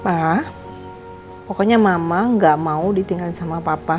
ah pokoknya mama gak mau ditinggalin sama papa